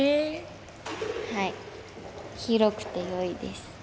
はい広くて良いです。